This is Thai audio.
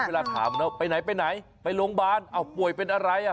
เวลาถามแล้วไปไหนไปโรงพยาบาลป่วยเป็นอะไร